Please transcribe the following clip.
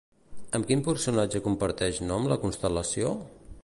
Amb quin personatge comparteix nom la constel·lació?